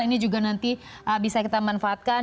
ini juga nanti bisa kita manfaatkan